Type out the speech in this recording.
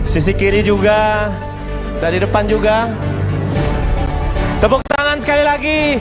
sisi kiri juga dari depan juga tepuk tangan sekali lagi